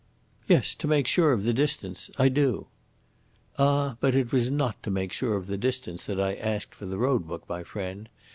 "Yes; to make sure of the distance. I do." "Ah, but it was not to make sure of the distance that I asked for the road book, my friend.